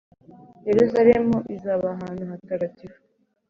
Yeruzalemu izaba ahantu hatagatifu,